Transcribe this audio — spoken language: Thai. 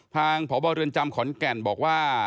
ทางผบรจำขอนแก่นบอกว่า